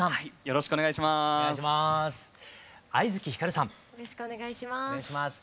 よろしくお願いします。